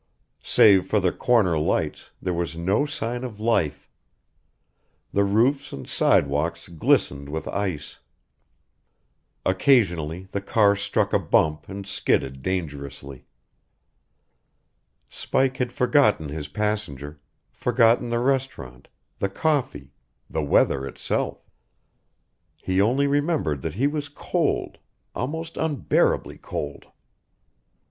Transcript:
Save for the corner lights, there was no sign of life. The roofs and sidewalks glistened with ice. Occasionally the car struck a bump and skidded dangerously. Spike had forgotten his passenger, forgotten the restaurant, the coffee, the weather itself. He only remembered that he was cold almost unbearably cold.